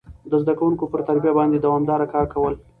د زده کوونکو پر تربيه باندي دوامداره کار کول،